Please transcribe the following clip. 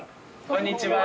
こんにちは。